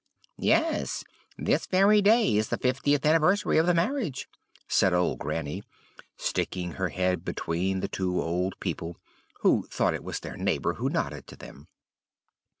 "'Yes, this very day is the fiftieth anniversary of the marriage,' said old Granny, sticking her head between the two old people; who thought it was their neighbor who nodded to them.